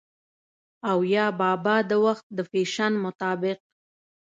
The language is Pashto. او يا بابا د وخت د فېشن مطابق